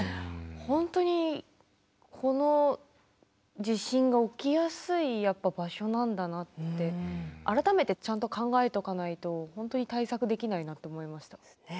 本当にこの地震が起きやすいやっぱ場所なんだなって改めてちゃんと考えとかないと本当に対策できないなと思いました。